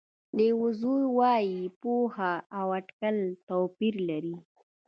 لیو زو وایي پوهه او اټکل توپیر لري.